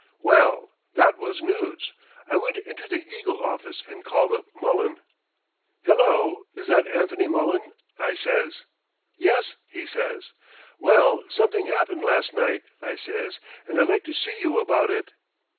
"Well, that was news! I went into the 'Eagle' office and called up Mullen. "'Hello! Is that Attorney Mullen?' I says. "'Yes,' he says. "'Well, something happened last night,' I says, 'and I'd like to see you about it.'